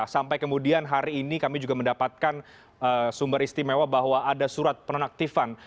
sampai kemudian hari ini kami juga mendapatkan sumber istimewa bahwa ada surat penonaktifan